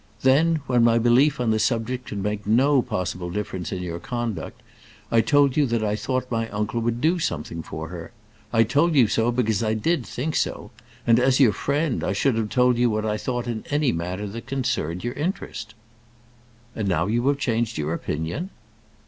Then, when my belief on the subject could make no possible difference in your conduct, I told you that I thought my uncle would do something for her. I told you so because I did think so; and as your friend, I should have told you what I thought in any matter that concerned your interest." "And now you have changed your opinion?"